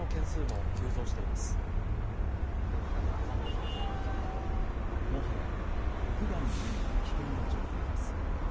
もはや屋外にいるのが危険な状態です。